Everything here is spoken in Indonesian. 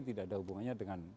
tidak ada hubungannya dengan